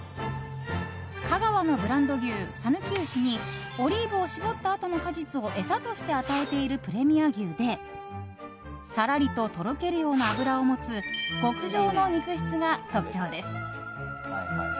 香川のブランド牛、讃岐牛にオリーブを搾ったあとの果実を餌として与えているプレミア牛でさらりととろけるような脂を持つ極上の肉質が特徴です。